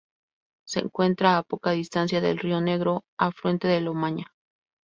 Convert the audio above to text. Se encuentra a poca distancia del río Negro, afluente del Omaña.